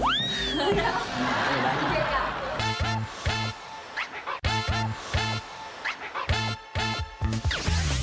โปรดติดตามตอนต่อไป